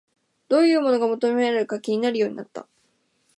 どういうものが求められるか気にするようになった